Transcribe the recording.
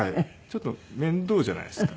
ちょっと面倒じゃないですか。